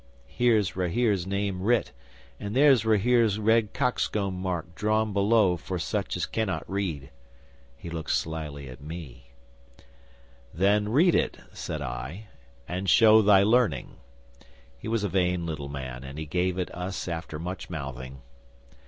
Here's Rahere's name writ, and there's Rahere's red cockscomb mark drawn below for such as cannot read." He looked slyly at me. '"Then read it," said I, "and show thy learning." He was a vain little man, and he gave it us after much mouthing.